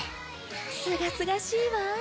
すがすがしいわ。